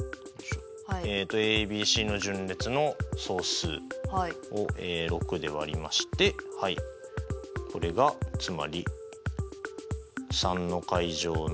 ＡＢＣの順列の総数を６で割りましてこれがつまり３の階乗のＰ。